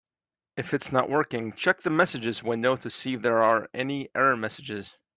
If it's not working, check the messages window to see if there are any error messages.